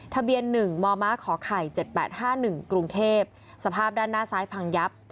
ทะเบียน๑มมขไข่๗๘๕๑กรุงเทพสภาพด้านหน้าซ้ายพังยับ